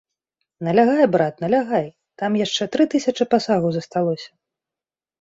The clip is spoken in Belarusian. Налягай, брат, налягай, там яшчэ тры тысячы пасагу засталося.